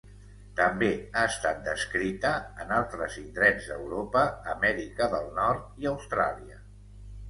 També ha estat descrita en altres indrets d'Europa, Amèrica del Nord i Austràlia.